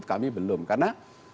kami belum karena